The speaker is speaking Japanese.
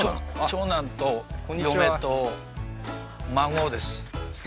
長男と嫁と孫です